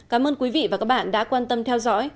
cảm ơn quý vị và các bạn đã quan tâm theo dõi